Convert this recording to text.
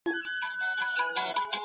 د مسمومیت پېښې باید په رسمي ډول ثبت شي.